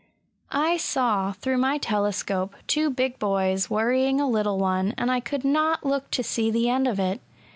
I saw, through my telescope, two big boys worrying a little one, and I could not look to see the end of it.